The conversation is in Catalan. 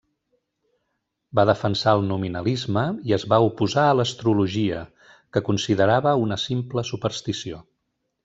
Va defensar el nominalisme i es va oposar a l'astrologia, que considerava una simple superstició.